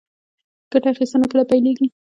ګټه اخیستنه کله پیلیږي؟